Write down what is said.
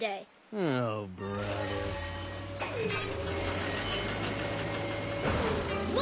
うわ！